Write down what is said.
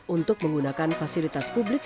untuk menggunakan fasilitas publik